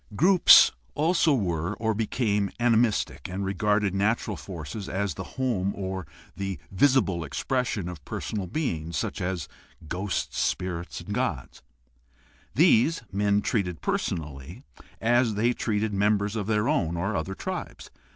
Groups also were or became animistic and regarded natural forces as the home or the visible expression of personal beings, such as ghosts, spirits, gods. These, men treated personally — as they treated members of their own or other tribes.